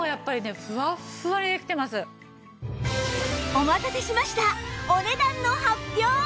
お待たせしましたお値段の発表！